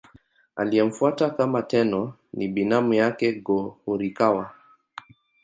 Aliyemfuata kama Tenno ni binamu yake Go-Horikawa.